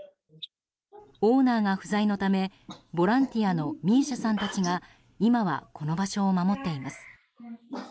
オーナーが不在のためボランティアのミーシャさんたちが今はこの場所を守っています。